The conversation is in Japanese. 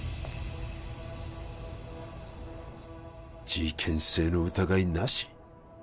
事件性の疑いなし？